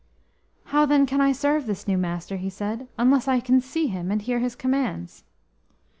"How then can I serve this new Master?" he said, "unless I can see Him and hear His commands?"